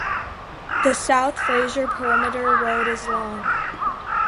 The South Fraser Perimeter Road is long.